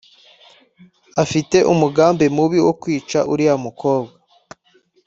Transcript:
afite umugambi mubi wo kwica uriya mukobwa